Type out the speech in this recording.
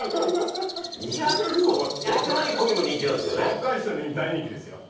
若い人に大人気ですよ。